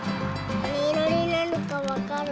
なにいろになるかわかる？